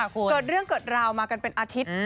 เกิดเรื่องเกิดราวมากันเป็นอาทิตย์